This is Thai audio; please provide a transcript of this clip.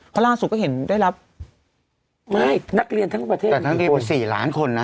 เพราะล่าสุดก็เห็นได้รับไม่นักเรียนทั้งประเทศแต่ทั้งเรียนเป็นสี่ล้านคนนะ